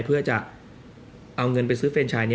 เพื่อจะเอาเงินไปซื้อเฟรนชาย